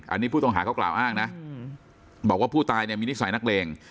อันนี้ผู้ต้องหาเขากล่าวอ้างนะบอกว่าผู้ตายเนี่ยมีนิสัยนักเลง